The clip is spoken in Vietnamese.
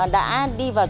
đã đi vào chỗ